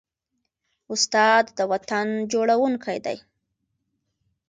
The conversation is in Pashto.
استاد د وطن جوړوونکی دی.